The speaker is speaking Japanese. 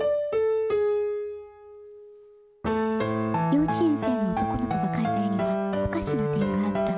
幼稚園生の男の子が描いた絵には、おかしな点があった。